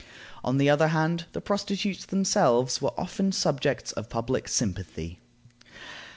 On the other hand, the prostitutes themselves were often subjects of public sympathy.